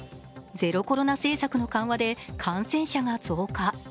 ゼロコロナ政策の緩和で感染者が増加。